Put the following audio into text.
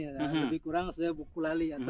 lebih kurang sebuku lali atau